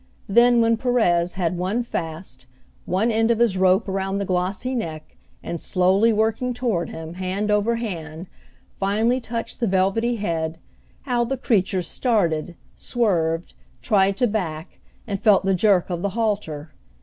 Then, when Perez had one fast, one end of his rope around the glossy neck, and slowly working toward him, hand over hand, finally touched the velvety head, how the creature started, swerved, tried to back, and felt the jerk of the halter.